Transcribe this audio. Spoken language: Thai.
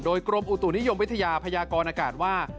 โดยกรมอุตุนิยมวิทยาพยากรอากาศว่า